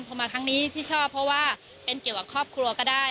พอมาครั้งนี้พี่ชอบเพราะว่าเป็นเกี่ยวกับครอบครัวก็ได้